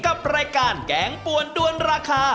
กับรายการแกงปวนด้วนราคา